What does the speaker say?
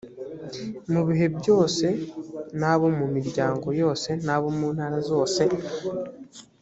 mu bihe byose n’abo mu miryango yose n’abo mu ntara zose